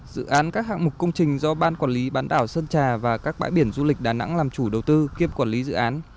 dự án các hạng mục công trình do ban quản lý bán đảo sơn trà và các bãi biển du lịch đà nẵng làm chủ đầu tư kiêm quản lý dự án